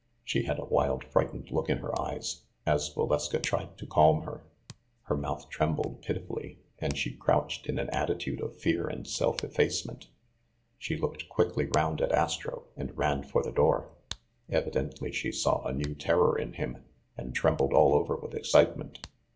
She had a wild frightened look in her eyes, as Va leska tried to calm her. Her mouth trembled pitifully, and she crouched in an attitude of fear and self ef facement. She looked quickly round at Astro, and ran for the door. Evidently she saw a new terror in him, and trembled all over with excitement.